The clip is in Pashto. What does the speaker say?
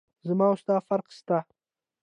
زما او ستا فرق سته.